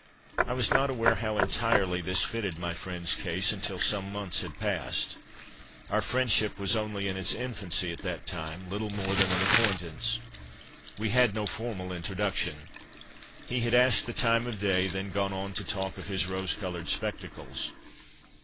' I was not aware how entirely this fitted my friend's case until some months had passed. Our friendship was only in its infancy at that time, little more than an acquaintance. We had no formal introduction. He had asked the time of day, then gone on to talk of his rose coloured spectacles.